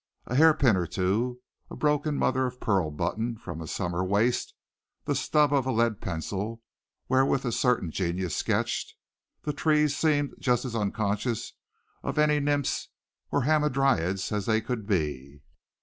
A hairpin or two, a broken mother of pearl button from a summer waist, the stub of a lead pencil wherewith a certain genius sketched. The trees seemed just as unconscious of any nymphs or hamadryads as they could be.